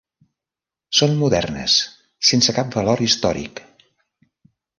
Són modernes, sense cap valor històric.